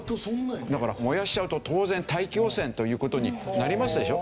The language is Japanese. だから燃やしちゃうと当然大気汚染という事になりますでしょ？